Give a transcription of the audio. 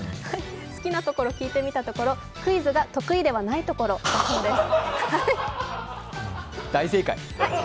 好きなところを聞いてみたところ、クイズが得意ではないところだそうです。